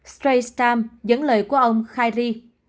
stray stam dẫn lời của ông khairi